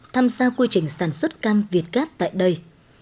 tham gia quy trình sản xuất cam việt gáp tại đây